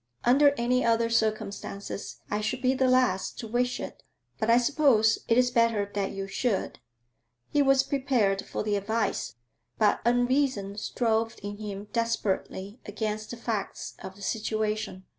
'Under any other circumstances I should be the last to wish it, but I suppose it is better that you should.' He was prepared for the advice, but unreason strove in him desperately against the facts of the situation.